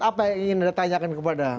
apa yang ingin anda tanyakan kepada tim sukses